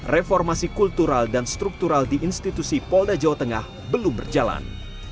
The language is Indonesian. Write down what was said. reformasi kultural dan struktural di institusi polda jawa tengah belum berjalan